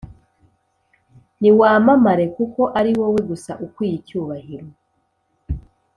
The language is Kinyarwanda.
Niwamamare kuko ari wowe gusa ukwiye icyubahiro